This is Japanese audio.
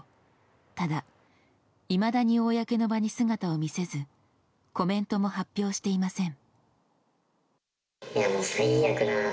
ただ、いまだに公の場に姿を見せずコメントも発表していません。